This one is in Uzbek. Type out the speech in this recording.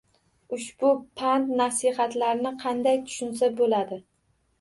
Ushbu pand-nasihatlarni qanday tushunsa bo‘ladi?